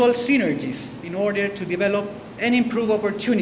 untuk membangun dan meningkatkan kesempatan